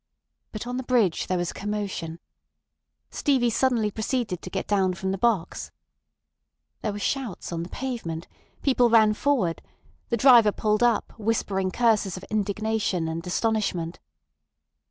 But on the bridge there was a commotion. Stevie suddenly proceeded to get down from the box. There were shouts on the pavement, people ran forward, the driver pulled up, whispering curses of indignation and astonishment.